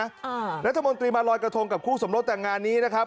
อ่ารัฐมนตรีมาลอยกระทงกับคู่สมรสแต่งงานนี้นะครับ